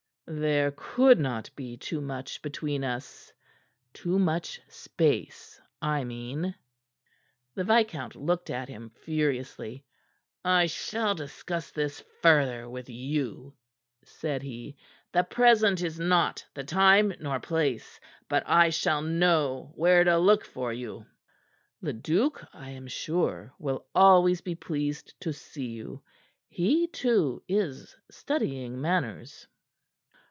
"There could not be too much between us too much space, I mean." The viscount looked at him furiously. "I shall discuss this further with you," said he. "The present is not the time nor place. But I shall know where to look for you." "Leduc, I am sure, will always be pleased to see you. He, too, is studying manners."